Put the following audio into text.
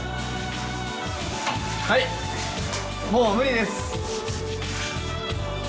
はいもう無理です